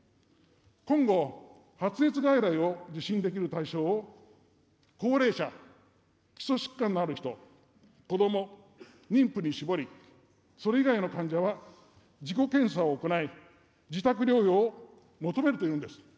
今後、発熱外来を受診できる対象を、高齢者、基礎疾患のある人、子ども、妊婦に絞り、それ以外の患者は自己検査を行い、自宅療養を求めるというんです。